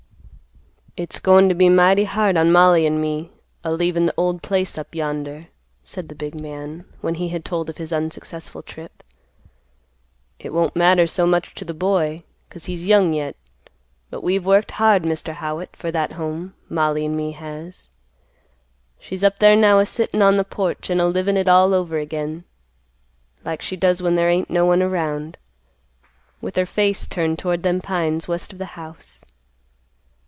"It's goin' to be mighty hard on Mollie and me a leavin' the old place up yonder," said the big man, when he had told of his unsuccessful trip. "It won't matter so much to the boy, 'cause he's young yet, but we've worked hard, Mr. Howitt, for that home—Mollie and me has. She's up there now a sittin' on the porch and a livin' it all over again, like she does when there ain't no one around, with her face turned toward them pines west of the house.